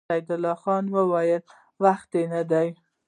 سيدال خان وويل: وخت يې نه دی؟